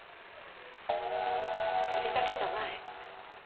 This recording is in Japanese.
釣りだけじゃない。